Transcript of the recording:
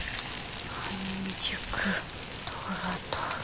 半熟トロトロ。